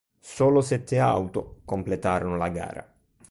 Solo sette auto completarono la gara.